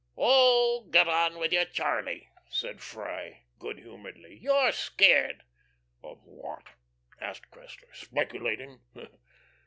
"Oh, get on with you, Charlie," said Freye, good humouredly, "you're scared." "Of what," asked Cressler, "speculating?